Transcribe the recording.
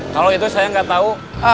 kalau itu saya nggak tahu